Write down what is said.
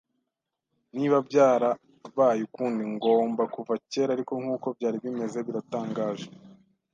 Niba byarabaye ukundi, ngomba kuva kera; ariko nkuko byari bimeze, biratangaje